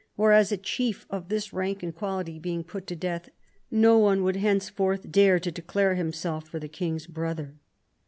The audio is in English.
. whereas, a chief of this rank and quality being put to death, no one would henceforth dare to declare himself lor the King's brother."